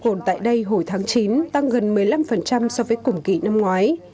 công cồn tại đây hồi tháng chín tăng gần một mươi năm so với cùng kỷ năm ngoái